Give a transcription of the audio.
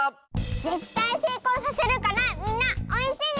ぜったいせいこうさせるからみんなおうえんしてね！